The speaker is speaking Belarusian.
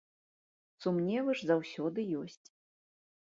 Сумневы ж заўжды ёсць.